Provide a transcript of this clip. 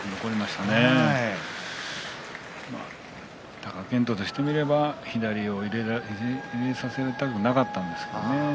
貴健斗としてみれば左を入れさせたくなかったんですかね。